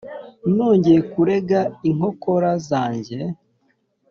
Nongeye kurega inkokora zanjye